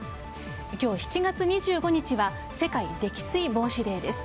今日７月２５日は世界溺水防止デーです。